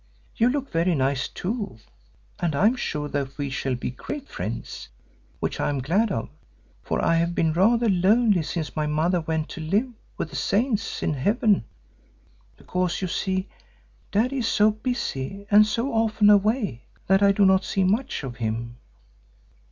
You look very nice too and I am sure that we shall be great friends, which I am glad of, for I have been rather lonely since my mother went to live with the saints in Heaven, because, you see, Daddy is so busy and so often away, that I do not see much of him."